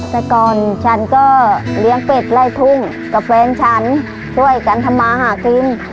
แต่ก่อนฉันก็เลี้ยงเป็ดไล่ทุ่งกับแฟนฉันช่วยกันทำมาหากิน